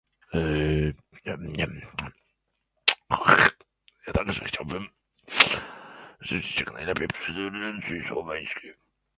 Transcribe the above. Ja także chciałabym życzyć jak najlepiej prezydencji słoweńskiej